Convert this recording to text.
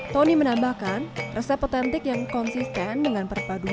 tony menambahkan resep otentik yang konsisten dengan perpaduan